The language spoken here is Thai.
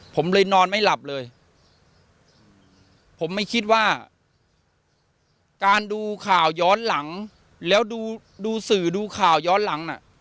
ผมเลยนอนไม่หลับเลยผมไม่คิดว่าการดูข่าวย้อนหลังแล้วดูสื่อดูข่าวย้อนหลังน่ะ